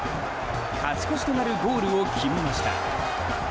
勝ち越しとなるゴールを決めました！